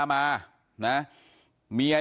วิ่งหมายความห่างพูดครับนะเค้าบอกว่าเค้าเครียดมาก